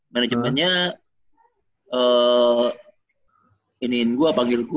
manajemennya iniin gue panggil gue